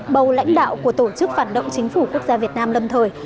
bầu lãnh đạo của tổ chức phản động chính phủ quốc gia việt nam lâm thời